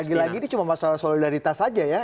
lagi lagi ini cuma masalah solidaritas saja ya